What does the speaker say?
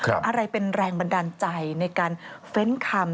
อะไรเป็นแรงบันดาลใจในการเฟ้นคำ